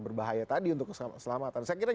berbahaya tadi untuk keselamatan saya kira